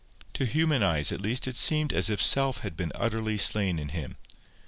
To human eyes, at least, it seemed as if self had been utterly slain in him.